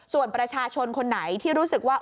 ส่วนประชาชนคนไหนที่รู้สึกว่า